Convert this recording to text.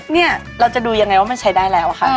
เนี่ยเราจะดูยังไงว่ามันใช้ได้แล้วอะค่ะ